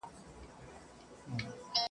حیوانان ورته راتلل له نیژدې لیري ..